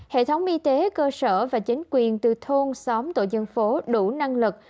hệ thống y tế cơ sở và chính quyền từ thôn xóm tổ dân phố đủ năng lực